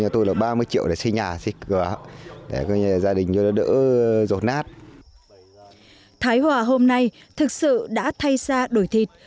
thái hòa hôm nay thực sự đã thay ra đổi thịt